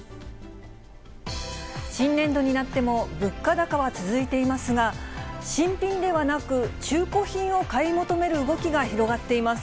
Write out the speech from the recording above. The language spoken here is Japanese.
新年度になっても、物価高は続いていますが、新品ではなく中古品を買い求める動きが広がっています。